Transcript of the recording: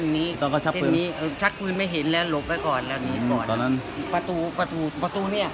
ไม่เห็นตอนนี้ใช่มั้ยทางเรื่องเส้นนี้